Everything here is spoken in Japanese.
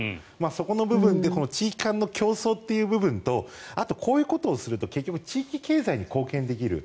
そこの部分で地域間の競争という部分とあとこういうことをすると地域経済に貢献できる。